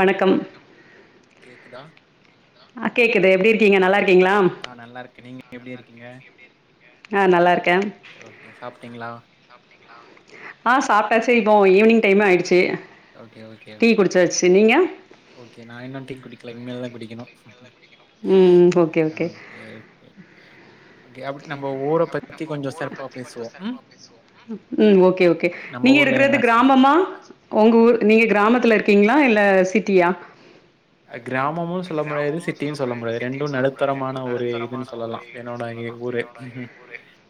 வணக்கம் கேக்குதா ஆ கேக்குது எப்டி இருக்கீங்க நல்லா இருக்கீங்களா நா நல்லாருக்கே நீங்க எப்டி இருக்கீங்க ஆ நல்லாருக்கே சேரி ஓகே சாப்ட்டீங்களா சாப்ட்டிங்களா ஆ சாப்ட்டாச்சு இப்போ ஈவினிங் டைம் ஆயிடுச்சு ஓகே ஓகே டீ ஓகே குடிச்சாச்சு நீங்க ஓகே நா இன்னு டீ குடிக்கல இனிமேல தா குடிக்கணு ம் ஓகே ஓகே ஓகே அப்டி நம்ம ஊர பத்தி கொஞ்சோ சிறப்பா பேசுவோ ம் ம் ஓகே ஓகே நம்ம நீங்க ஊர்ல இருக்கறது என்ன ஸ்பெஷல் கிராமமா உங்க ஊர் நீங்க கிராமத்துல இருக்கீங்களா இல்ல சிட்டியா ஆ கிராமமு சொல்ல முடியாது சிட்டியு சொல்ல முடியாது ரெண்டு நடுத்தரமான ஒரு இதுன்னு சொல்லலா என்னோட ஏ ஊரு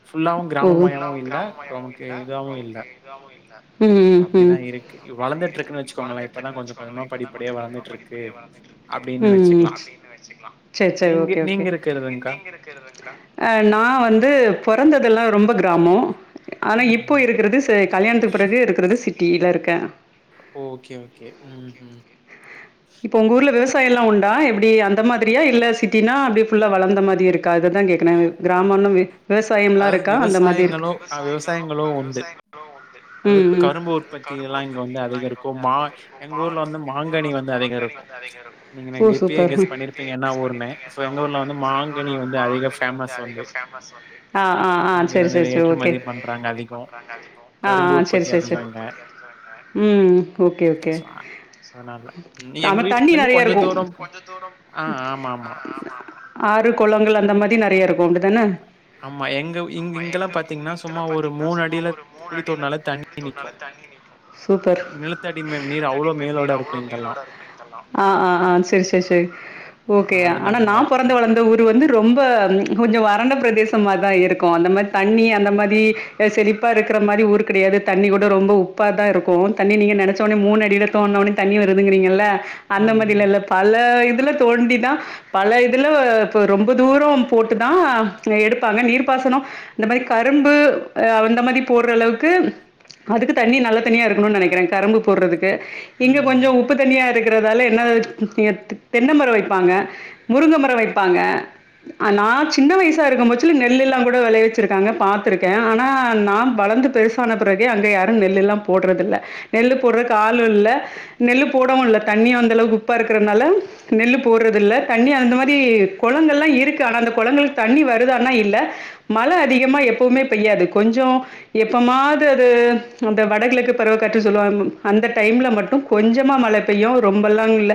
ஃபுல்லாவு ஓ கிராம மயமும் இல்ல நமக்கு இதாவு இல்ல கிராம இல்ல ம் ம் அப்டிதா ம் இருக்கு வளந்துட்டு இருக்குன்னு வச்சுக்கோங்களே இப்பதா கொஞ்ச கொஞ்சமா படிப்படியா வளந்துட்டு இருக்கு அப்டின்னு வச்சுக்கலா சேரி சேரி நீங்க ஓகே ஓகே நீங்க இருக்கிறதுங்க்கா? ஆ நா வந்து பொறந்ததெல்லா ரொம்ப கிராமோ ஆனா இப்போ ம். இருக்கறது செ கல்யாணத்துக்கு பிறகு இருக்கறது சிட்டியில இருக்க ஓகே ஓகே ம் ம் இப்ப உங்க ஊர்ல விவசாயம்லா உண்டா எப்டி அந்த மாதிரியா இல்ல சிட்டின்னா அப்டி ஃபுல்லா வளந்த மாதிரி இருக்கா அததா கேக் எனது கிராமம் இன்னுமே அதாவது விவசாயங்களோ ஆ விவசாயங்களோ உண்டு அதாவது ம், ம். கரும்பு உற்பத்தில்லா இங்கே வந்து அதிக இருக்கு மா எங்க ஊர்ல வந்து மாங்கனி வந்து அதிக இருக்கு நீங்க ஓ! என்னகெப்பயே சூப்பர். கெஸ் ம். பண்ணிருப்பீங்க என்னா ஊருன்னு சோ எங்க ஊர்ல வந்து மாங்கனி வந்து அதிக பேமஸ் அ அ அ இங்க செரி இருந்து செரி ஓகே ஏற்றுமதி பண்றாங்க அதிகம். ஆ ஆ, கரும்பு சேரி, உற்பத்தி சேரி, சேரி, அதிகம் இங்க. ம் ஓகே ஓகே சோ அதனால. ம் எங்க ஆமா தண்ணி வீட்லருந்து நறைய கொஞ்சம் இருக்கு தூரம் போ ஆ ஆமாமா. ஆறு குளங்கள் அந்த மாரி நெறையா இருக்கு அப்டிதானே ஆமா எங்க இங் ஆமா எங்க இங்கலாம் இங்க பாத்தீங்கன்னா, சும்மா இங்கெல்லா ஒரு பாத்தீங்கன்னா சும்மா அடியில ஒரு மூணு குழி அடில தோண்டுனாலே குழி தண்ணி நிக்கும். தோண்டுனால தண்ணி நிக்கு சூப்பர் நிலத்தடி மே நீர் அவ்ளோ மேலோட இருக்கும் இங்கெல்லாம். அ அ செரி செரி சேரி ஓகேயா அதனால ஆனா நா பொறந்து வளந்த ஊர் வந்து ரொம்ப கொஞ்சோ வறண்ட பிரதேச த்த மாரிதா இருக்கு அந்த மாரி தண்ணி அந்த மாரி செழிப்பா இருக்கிற மாரி ஊர் கடையாது தண்ணி கூட ரொம்ப உப்பாதா இருக்கு தண்ணி நீங்க நெனச்ச உடனே மூணு அடில தோண்டுனா உடனே தண்ணி வருதுங்கறீங்கல்ல அந்த ம், மாரிலா ம், இல்ல பல இதுல தோண்டி தா பல இதுல இப்ப ரொம்ப தூரோ போட்டுதா எடு பாங்க நீர்பாசனோ இந்த மாரி கரும்பு அ அந்த மாரி போடுற அளவுக்கு அதுக்கு தண்ணி நல்ல தண்ணியா இருக்கணுனு நெனைக்கிறே கரும்பு போடுறதுக்கு இங்க ம். கொஞ்சோ உ ப்பு தண்ணியா இருக்குறதால என்ன இங்க தெ தென்ன மர வைப்பாங்க முருங்கமர வைப்பாங்க் அ நா சின்ன வயசா இருக்கும்போ து நெல்லு எல்லா கூட வெளவிச்சுருக்காங்க பாத்துருக்கே ஆனா நா வளந்து பெருசான பிறகு அங்க யாரு நெல்லு எல்லா போடுறதுல்ல நெல்லு போடுறக்கு ஆளுல்ல நெல்லு போடவு இல்ல தண்ணி அந்தளவுக்கு உப்பா இருக்கறனால நெல்லு போடுறதுல்ல தண்ணி அந்த மாரி குளங்கல்லா இருக்கு ஆனா அந்த குளங்களுக் தண்ணி வ இதுதானா இல்ல மழ அதிகமா எப்பவுமே பெய்யாது கொஞ்சோ எப்பமாது அது அந்த வடகிழக்கு பருவ காற்று சொல்லுவாங்க அந்த டைம்ல மட்டு கொஞ்சமா மழ பெய்யு ரொம்பலா இல்ல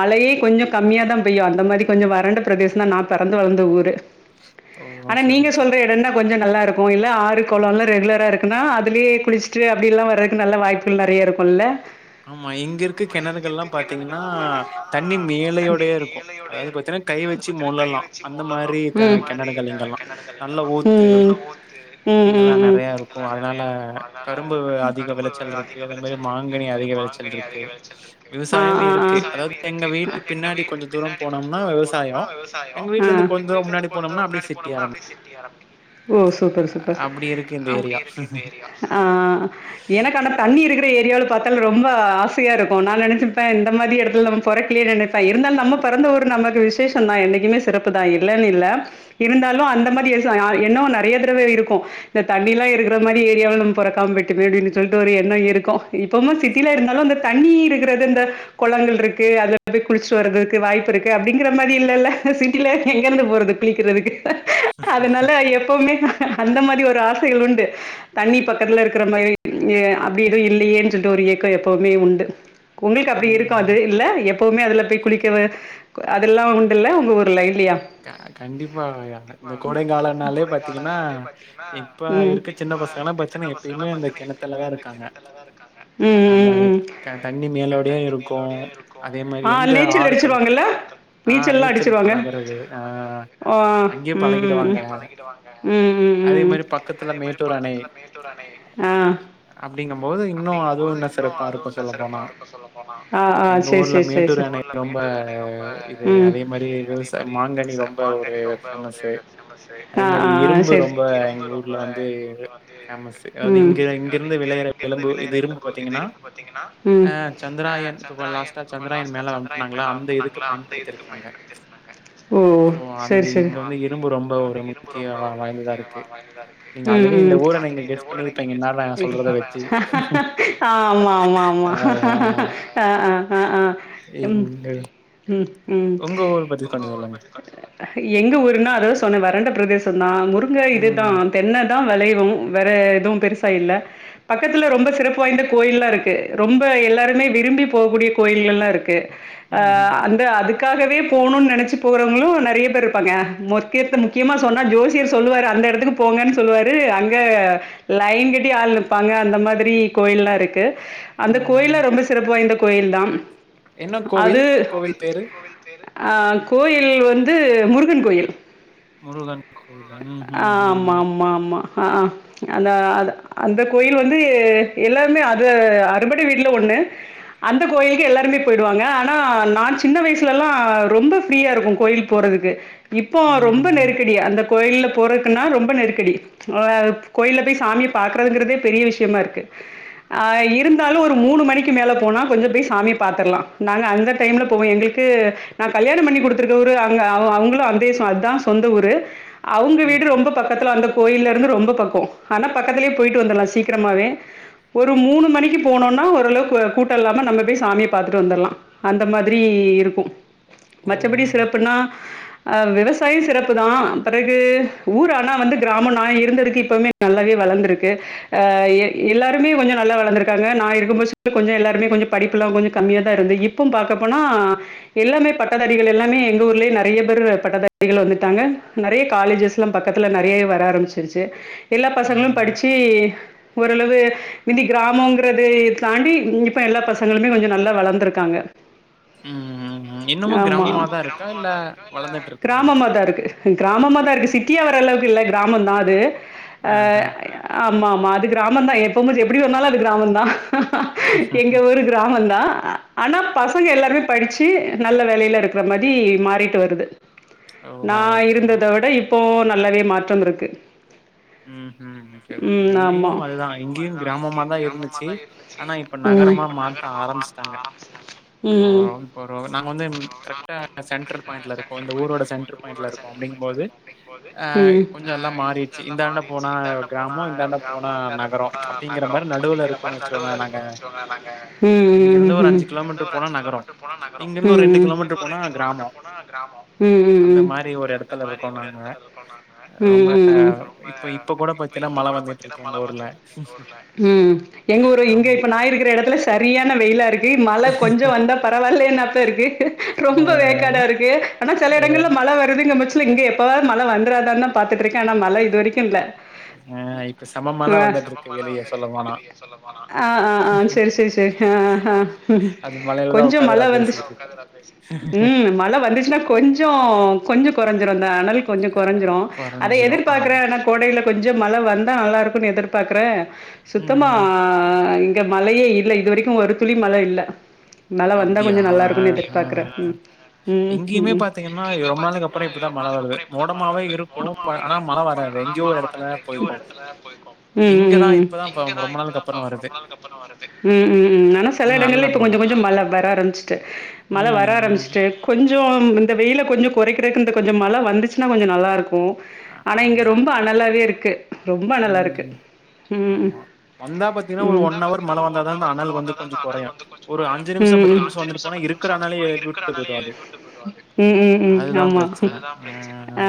மழையே கொஞ்ச கம்மியா தா பெய்யு அந்த மாரி கொஞ்ச வறண்ட பிரதேச தா நா பெறந்து வளந்த ஊரு ஓ! ஆனா ஓகே, நீங்க ஓகே. சொல்ற எடந்தா கொஞ்ச நல்லா இருக்கு இல்ல ஆறு குளொல்லா ரெகுலரா இருக்குனா அதுளயே குளிச்சுட்டு அப்டியெல்லா வரக்கு நல்ல வாய் நெறைய இருக்குல்ல ஆமா இங்க இருக்க கெணறுகள்லா பாத்தீங்கன்னா தண்ணி மேலையோடையே இருக்கு அதாவது பாத்தீங்கன்னா அது பாத்தீங்கன்னா கை வெச்சு முள்ளலா மாரி கிணறுகள் க இங்கெல்லாம். கெணறுகள் நல்ல இதல்லா ஊத்து ஊத்து ம் ம் இங்கெல்லாம் ம் நெறையா இருக்கும். அதனால கரும்பு அதிக விளைச்சல் இருக்கு. அதிக அதே மாரி விளச்சல் இருக்கு மாங்கனி அதே மாரி அதிக விளைச்சல் மாங்கனி இருக்கு. அதிக விளைச்சல் இருக்கு விவசாயமும் இருக்கு. விவசாயமு அதாவது எங்க இருக்கு வீட்டு எங்க பின்னாடி வீட்டுக்கு கொஞ்சம் தூரம் பின்னாடி கொஞ்ச போனோம்னா தூரோ போனம்னா விவசாயம். விவசாயோ எங்க வீட்லருந்து கொஞ்சம் எங்க தூரம் வீட்ல முன்னாடி இருந்து கொஞ்ச போனோம்னா, அப்டியே முன்னாடி சிட்டி போனோம்னா அப்டியே ஆரம்பிக்குது. சிட்டி ஆ ஓ சூப்பர் சூப்பர் அ அப்டி இருக்கு இந்த அ ஏரியா. அ அ எனக்கு அந்த தண்ணி இருக்குற ஏரியாவுல பாத்தா ரொம்ப ஆசையா இருக்கு நா நெனைச்சுப்பே இந்த மாரி இடத்துல நம்ம பொறக்கலயே நென நினச்சிப்பேன் ப இருந்தாலு நம்ம பெறந்த ஊரு நமக்கு விசேஷ தா என்னைக்குமே சிறப்புதா இல்லன்னு இல்ல இருந்தாலு அந்த மாரி எச ஆ எண்ண நறைய தடவ இருக்கு இந்த தண்ணி எல்லா இருக்குற மாரி ஏரியாவுல நம்ம பொறக்காம போய்ட்டோமே அப்டின்னு சொல்லிட்டு ஒரு எண்ண இருக்கு இப் இப்பமு சிட்டில இருந்தாலு அந்த தண்ணி இருக்குறது இந்த குளங்கள்ருக்கு அதுல போய் குளிச்சுட்டு வர்றதுக்கு வாய்ப்பு இருக்கு அப்டிங்கிற மாரி இல்லல்ல சிட்டில எங்க இருந்து போறது பி இரருக்கு அதனால எப்பவுமே அந்த மாரி ஒரு ஆசைகள் உண்டு தண்ணி பக்கத்துல இருக்குற மாரி எ அப்டி எது இல்லையேன்னு சொல்ட்டு ஒரு ஏக்க எப்பவுமே உண்டு உங்களுக்கு அப்டி இருக்காது ம். இல்ல எப் எப்பவுமே அதுல போய் குளிக்கறது அதெல்லா உண்டுல்ல உங்க ஊர்ல இல்லையா க கண்டிப்பா ய ம் ம் ம் இப்ப இருக்க சின்ன பசங்கலாம் பார்த்தீங்கன்னா, எப்பயுமே அந்த கிணத்துல தான் இருக்காங்க. அந்த க தண்ணி மேலோடயே ம் இருக்கும். அதே மாரி ஆ எந்த நீச்சல் ஆறுக்கள் அடிச்சிருவாங்கல்ல ஆ நீச்சல் எல்லாம் அடிச்சிருவாங்க பழகுறது. ஆ ஓ அங்கேயே ம் ம் பழகிடுவாங்க. ம் அதே ம் மாரி பக்கத்துல மேட்டூர் அணை அப்படிங்கும்போது, இன்னும் அதுவும் இன்னும் சிறப்பா இருக்கும் சொல்லப்போனா. ஆ ஆ ஆ எங்க சேரி ஊர்ல சேரி சேரி மேட்டூர் சேரி அணை இல்ல ரொம்ப மேட்டூர் அணை ரொம்ப அதே மாறி விவசாயம் மாங்கனி ரொம் ப ஒரு ஃபேமஸ் அதே ஆ, மாதிரி ஆ, ஆ. இரும்பு சரி. ரொம்ப எங்க ஊர்ல வந்து மஸ் அதாவது ம் இங்க இங்கிருந்து விளையற விலம்பு இது இரும்பு பாத்தீங்கன்னா ஆ ம் சந்திராயன் இப்ப லாஸ்ட்டா சந்திராயன் மேல வ அனுப்புனங்களா அந்த இதுக்கு பயன்படுத் இருக்காங்க ஓ சோ அந்த சரி, சரி. இங்க வந்து இரும்பு ரொம்ப ஒரு முக்கிய வாய்ந்ததா இருக்கு நீங்க ம் ஆல்ரெடி இந்த ம் ஊர நீங்க கெஸ் பண்ணியிருப்பீங்க நான் நான் சொல்றத வச்சு. ஆ ஆமா ஆமா ஆமா ஆ ஆ ஆ ஆ ம் எங்க ம் ம் உங்க ஊர் பத்தி கொஞ்சம் சொல்லுங்க. எங்க ஊருன்னா அதாவது சொன்னேன் வறண்ட பிரதேசம் தான் முருங்க ம். இதுதான் தென்ன தான் விளைவவும் வேற எதுவும் பெருசா இல்ல பக்கத்துல ரொம்ப சிறப்பு வாய்ந்த கோயில் எல்லாம் இருக்கு ரொம்ப எல்லாருமே விரும்பி போகக்கூடிய கோயில்கள்ல்லாம் இருக்கு அ ம்ஹ்ம். அந்த அதுக்காகவே போகணும்னு நெனச்சு போறவங்களும் நிறைய இருப்பாங்க முக்கியத்தை முக்கியமா சொன்னா ஜோசியர் சொல்லுவாரு அந்த இடத்துக்கு போங்கன்னு சொல்லுவாரு அங்க லைன் கட்டி ஆள் நிப்பாங்க அந்த மாதிரி கோயில்லாம் இருக்கு அ அந்த கோயில்லாம் ரொம்ப சிறப்பு வாய்ந்த கோயில தான் என்ன கோவில்? அது கோவில் பேரு? ஆ கோயில் வந்து முருகன் கோவில் முருகன் கோவிலா? ஆ ம்ஹ்ம். ஆமா ம். ஆமா ஆமா ஆ அந்த அந்த கோயில் வந்து எல்லாருமே அது அறுபடை வீடுல ஒண்ணு அந்த கோயிலுக்கு எல்லாருமே போயிடுவாங்க ஆனா நான் சின்ன வயசுலல்லாம் ரொம்ப ஃப்ரீயா இருக்கும் கோயில் போறதுக்கு இப்போ ம். ம். ரொம்ப ம். நெருக்கடி அந்த கோயில போறதுக்குன்னா ரொம்ப நெருக்கடி ஆ கோயில்ல போய் சாமிய பாக்குறதுங்கறதே பெரிய விஷயமா இருக்கு ஆ இருந்தாலும் ஒரு மூணு மணிக்கு மேல போனா கொஞ்சம் போய் சாமி பார்த்திரலாம் நாங்க அந்த டைம்ல போவோம் எங்களுக்கு க்கு நான் கல்யாணம் பண்ணி கொடுத்தருக்கரு அங்க அவங்களும் அந்தே அதுதான் சொந்த ஊரு அவங்க ம், வீடு ம். ரொம்ப பக்கத்துல அந்த கோயில இருந்து ரொம்ப பக்கம் ஆனா பக்கத்திலேயே போயிட்டு வந்துடலாம் சீக்கிரமாவே ஒரு மூணு மணிக்கு போனோனா ஓரளவு கூட்டம் இல்லாம நம்ம போய் சாமியை பாத்துட்டு வந்துடலாம் அந்த மாதிரி இருக்கும் ஓஹோ! மச்சபடி சிறப்புன்னா ஆ விவசாயம் சிறப்புதான் பிறகு ஊர் ஆனா வந்து கிராமம் நான் இருந்ததுக்கு இப்பவுமே நல்லாவே வளந்திருக்கு எல்லாருமே கொஞ்சம் நல்லா வளந்துருக்காங்க நான் இருக்கும்போல கொஞ்சம் எல்லாருமே கொஞ்சம் படிப்புல்லாம் கொஞ்சம் கம்மிய தான் இருந்து இப் இப்பம் பாக்க போனா எல்லாமே பட்டதாரிகள் எல்லாமே எங்க ஊர்லேயே நிறைய பேர் பட்டதாரிகள் வந்துட்டாங்க நிறைய காலேஜஸ் எல்லாம் பக்கத்துல நிறைய வர ஆரம்பிச்சிருச்சி எல்லா பசங்களும் ம். படிச்சி ஓரளவு இனி கிராமங்கரத தாண்டி இப்ப எல்லா பசங்களுமே கொஞ்சம் நல்லா வளந்துருக்காங்க ம். இன்னமும் கிராமமா தான் இருக்கா? இல்ல வளர்ந்துட்டு இருக்குங்களா? கிராமமாதான் இருக்கு கிராமமா தான் இருக்கு சிட்டியா வர அளவுக்கு இல்ல கிராமம் தான் அது ஆ ஆஹ. ஆமா ஆமா அது கிராமம் தா எப்ப முஞ்சு எப்டி வந்தாலு அது கிராமோந் தா எங்க ஊரு கிராமொ தா ஆனா பசங்க எல்லாருமே படிச்சு நல்ல வேலையில இருக்குற மாரி மாறிட்டு வருது ஓஹோ! நா ஓகே. இருந்தத விட இப்போ நல்லாவே மாற்றம் இருக்கு ம் ம் ஓகே ஓகே ம் இங்கேயு ஆமா அதுதா இங்கேயு கிராமமாதா இருந்துச்சு ஆனா இப்ப ம் நகரமா மாத்த ஆரம்பிச்சுட்டாங்க போறோ ம் இப்போ ஒரு நாங்க வந்து கரெக்டா சென்டர் பாயிண்ட்ல இருக்கு இந்த ஊரோட சென்டர் பாயிண்ட்ல இருக்கோ அப்டி ம் மாறிடுச்சு. எல்லாம் இந்தாண்ட மாறிடுச்சு போனா இந்தாண்ட போனா கிராமம், இந்தாண்ட போனா கிராமோ இந்தாண்ட நகரம். போனா அப்படிங்கிற நகரோ மாரி நடுவுல அப்டிங்கிற மாரி இருக்கோம்னு நடுவுல வச்சுக்கோங்களேன் நாங்க. இருக்கனு போங்க நாங்க இங்கிருந்து ஒரு இங்க இருந்து கிலோமீட்டர் ஒரு போனா அஞ்சு நகரம். கிலோமீட்டர் போனா நகரொ இங்கிருந்து ஒரு இங்க கிலோமீட்டர் இருந்து ஒரு போனா ரெண்டு கிலோமீட்டர் கிராமம். போனா அ கிராமொ அந்த மாரி ஒரு அந்த இடத்துல மாரி இருக்கோம் ஒரு நாங்க. எடத்துல இருக்கோ நாங்க ரொம்ப ப்ப இப்ப கூட இப்ப பாத்தீன்னா இப்ப மழ கூட வந்துட்டு பாத்தன்னா இருக்கு மழ எங்க ஊர்ல வந்துட்ருக்கு எங்க ரொம் ஊர்ல இப்ப நா இருக்கிற எடத்துல சரியான வெயிலா இருக்கு மழ கொஞ்ச வந்தா பரவாயில்லன்னாதா இப்ப இருக்கு ஆ ரொம்ப வேக்காடா இருக்கு ஆனா சில ஆ எடங்கள்ல மழ வருதுங்க முச்சல இங்க எப்பாவது மழ வந்துராதா பாத்துட்ருக்கே ஆனா மழ இது வரைக்கு இல்ல ஆ இப்ப சம்ம மழ வந்துட்டு இருக்கு வெளியே சொல்ல போனா ஆ ஆ ஆ செரி செரி செரி ஆ ஆ ஆ ம் ம் அது மழையிலதா கொஞ்சம் உக்காந்து மழ நா வந்துச்சு பேசிட்டு இருக்கே ம் மழ வந்துச்னா கொஞ்சோ கொஞ்சோ கொறஞ்சிரு இந்த அனல் கொஞ்ச கொறஞ்சிரு அத கொறஞ்சிரு எதிர்பாக்ற ஆம் ஆனா கோடையில கொஞ்சொ மழ வந்தா நல்லாருக்குன்னு எதிர்பாக்றே சுத்தமா ம் இங்க மழையே இல்ல இது வரைக்கு ஒரு துளி மழ இல்ல மழ வந்தா அப்டியா கொஞ்சொ ஆ நல்லாருக்குன்னு ஆ எதிர்பாக்றே ம் இங்கேயுமே ம் ம் பாத்தீங்கன்னா ரொம்ப நாளைக்கு ஆனா அப்புறோ இப்பதா ரொம்ப மழ நாளைக்கு வருது அப்றோ இப்பதா மழ மோடமாவே வருது இருக்கு மோடமாவே ஆனா இருக்குன் மழ வராது ஆனா எங்கேயோ மழ ஒரு எடத்துல வராது எங்கயோ ஒரு போய்க்கு எடத்துல தா போய்க்கு ம் ம் ம் இங்கதா ம், ம் இப்பதா ரொம்ப நாளுக்கு அப்புறோ வருது ம் ம் ம் ஆனா செல எடங்கள்ல இப்ப கொஞ்ச கொஞ்சொ மழ வர ஆரம்பிச்சுட்டு மழ ம் வர ம் ஆரம்பிச்சுட்டு கொஞ்சொம் இந்த வெயில கொஞ்சொ கொறை பிரேக்ன்ட்டு கொஞ்ச மழ வந்துச்சுன்னா கொஞ்சோ நல்லாருக்கு ஆ- ஆனா இங்க ஆமா ரொம்ப அனலாவே இருக்கு ரொம்ப அனலா இருக்கு ம் ம் ம் ஆமா. வந்தா பாத்தீங்கன்னா, ஒரு ம்ம் ஹவர் ம்ம்ம மழை வந்தா தான் அந்த அனல் வந்து கொஞ்சம் குறையும். ஒரு நிமிஷம், நிமிஷம் வந்துட்டு போனா இருக்கிற அனலே எழுப்பி விட்டு போயிடும் அது. அதுதான் ஆமா பிரச்சனை. அ ஆ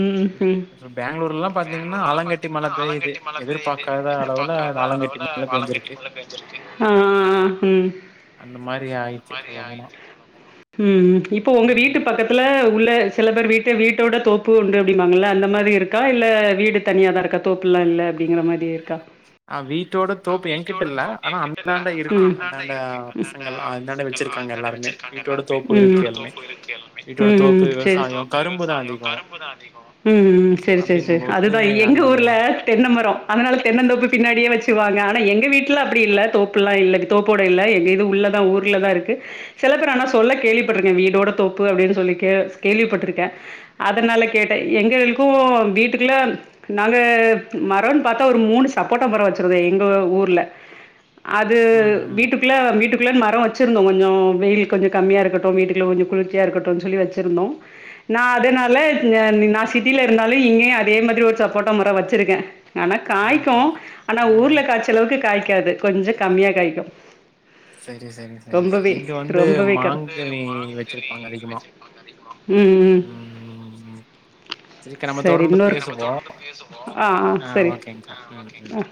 ம் ம் இப்ப பெங்களூர்லலாம் பாத்தீங்கன்னா, ஆலங்கட்டி என்ன மழை பெய்யுது. ஆலங்கட்டி மழ பெய்து எதிர்பார்க்காத அளவுல எதிர்பாக்காத ஆலங்கட்டி அளவுல மழை ஆலங்கட்டி பெஞ்சிருக்கு. மழ பேஞ்சிருக்கு ஆ ஆ ஆன் ம் அந்த மாரி ஆயிச்சு சொல்ல போனா ம் ம் இப்ப ஒங்க வீட்டு பக்கத்துல உள்ள சில பேர் வீட்ட வீட்டோட தோப்பு உண்டு அப்டிப்பாங்கல்ல அந்த மாரி இருக்கா இல்ல வீடு தனியாதா இருக்கா தோப்புல்லா இல்ல அப்டிங்கிற மாரி இருக்கா அ வீட்டோட அ தோப்பு என்கிட்ட வீட்டோட இல்ல. தோப்பு ஆனா எங்கிட்ட இல்ல அந்தாண்ட அனா இருக்கு. அந்தாண்ட இருக்கு ஆ பசங்கள்லாம் அந்தாண்ட பசங்க எல்லா வச்சிருக்காங்க அந்தாண்ட எல்லாருமே. வெச்சிருக்காங்க வீட்டோட எல்லார்மே இருக்கு தோப்பு அவுங்கள்ட்ட எல்லாமே. தோப்பு இருக்கு எல்லாமே வீட்டோட தோப்பு, விவசாயம், தோப்பு கரும்பு தான் விவசாயொ அதிகம். கரும்புதா ஆண்ட்டி அப்படிங்கும்போது எல்லாமே. இப்போ தென்ன மரோ அதனால தென்னந்தோப்பு பின்னாடியே வெச்சு வாங்க ஆனா எங்க வீட்ல அப்டி இல்ல தோப் ப்புல்லா தோப்போட இல்ல எங்க இது உள்ளதா ஊர்ல தா இருக்கு சில பேரு ஆனா சொல்ல கேள்விப்பட்ருக்கே வீடோட தோப்பு அப்டின்னு சொல்லி கே கேள்விப்பட்ருக்கே அதனால கேட்ட எங்களுக்கு வீட்டுக்குள்ள நாழு மரோன்னு பாத்தா ஒரு மூணு சப்போட்டா மரொ வெச்சிர்ந்தோ எங்க ஊர்ல அது ம், ம். வீட்டு குள்ள வீட்டுக்குள்ளனெ மரோ வெச்சுருந்தோ கொஞ்சோ வெயில் கொஞ்சோ கம்மியா இருக்கட்டு வீட்டுக்குள்ள கொஞ்ச குளிர்ச்சியா இருக்கட்டுன் சொல்லி வெச்சுருந்தோ நா அதனால நா நா சிட்டில இருந்தாலு இங்கயு அதே மாரி ஒரு சப்போட்டா மரோ வச்சிருக்கே ஆனா ஆஹ காய்க்கு ஆனா ஆ ஊர்ல காய்ச்சளவுக்கு காய்க்காது கொஞ்சோ கம்மியா காய்க்கு சரி சரி சரி ரொம்பவே இங்க வந்து ரொம்பவே கம் வந்து மாங்கனி வெச்சுருப்பாங்க அதிகமா வச்சிருப்பாங்க. ம் ம் ம் ம் ம் சீக்கிரமா சரி தொடர்ந்து இன்னொரு ஓகே, நம்ம பேசுவோ தொடர்ந்து ஆ ஓகேங்கா ம் ம் ஆ